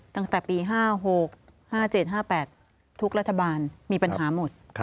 ตั้งแต่ปี๕๖๕๗๕๘ทุกรัฐบาลมีปัญหาหมด